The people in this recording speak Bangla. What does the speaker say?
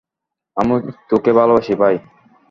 আমি তোকে ভালোবাসি, ভাই।